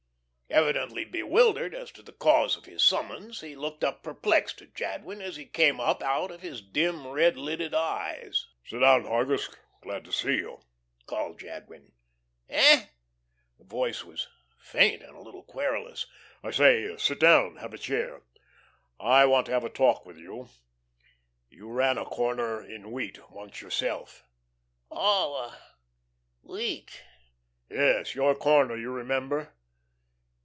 Evidently bewildered as to the cause of this summons, he looked up perplexed at Jadwin as he came up, out of his dim, red lidded eyes. "Sit down, Hargus. Glad to see you," called Jadwin. "Hey?" The voice was faint and a little querulous. "I say, sit down. Have a chair. I want to have a talk with you. You ran a corner in wheat once yourself." "Oh.... Wheat." "Yes, your corner. You remember?"